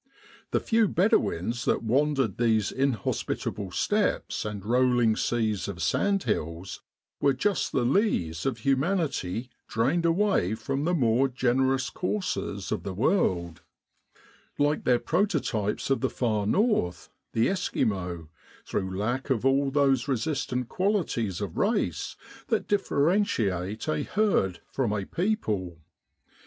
The few Bedouins that wandered these inhospitable steppes and rolling seas of sand hills, were just the lees of humanity drained away from the more generous courses of the world like their prototypes of the far North, the Esquimaux through lack of all those resistent qualities of race that differentiate a herd from a people.